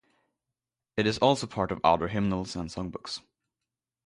It is also part of other hymnals and songbooks.